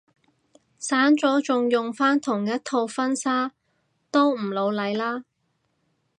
散咗仲用返同一套婚紗都唔老嚟啦